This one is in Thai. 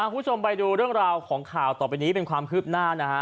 คุณผู้ชมไปดูเรื่องราวของข่าวต่อไปนี้เป็นความคืบหน้านะฮะ